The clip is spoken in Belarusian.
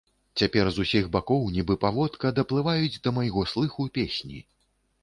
Цяпер з усіх бакоў, нібы паводка, даплываюць да майго слыху песні.